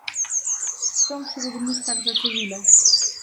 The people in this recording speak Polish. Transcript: Są wśród nich także cywile